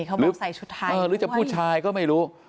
เขาบอกใส่ชุดไทยหรือจะผู้ชายก็ไม่รู้